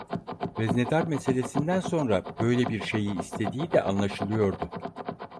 Veznedar meselesinden sonra böyle bir şeyi istediği de anlaşılıyordu.